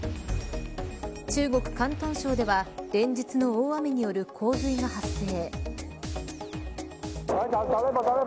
中国、広東省では連日の大雨による降水が発生。